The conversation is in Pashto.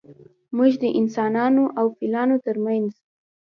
موږ د انسانانو او فیلانو ترمنځ